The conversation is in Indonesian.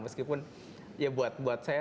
meskipun ya buat saya